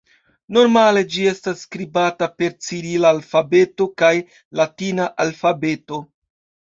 Normale ĝi estas skribata per cirila alfabeto kaj latina alfabeto.